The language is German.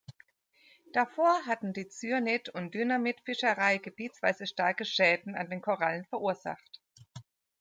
Davor hatten die Cyanid- und Dynamit-Fischerei gebietsweise starke Schäden an den Korallen verursacht.